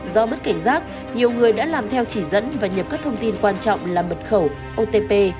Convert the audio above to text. do bất cảnh giác nhiều người đã làm theo chỉ dẫn và nhập các thông tin quan trọng là mật khẩu otp